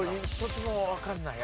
１つもわかんない。